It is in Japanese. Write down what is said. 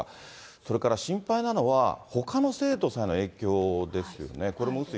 それから心配なのは、ほかの生徒さんの影響ですよね。